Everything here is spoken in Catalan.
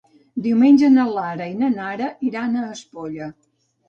Diumenge na Lara i na Nara iran a Espolla.